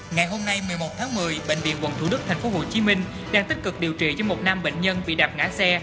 ngày hôm nay một mươi một tháng một mươi bệnh viện quận thủ đức tp hcm đang tích cực điều trị cho một nam bệnh nhân bị đạp ngã xe